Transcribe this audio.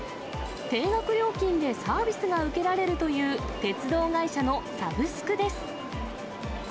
定額料金でサービスが受けられるという鉄道会社のサブスクです。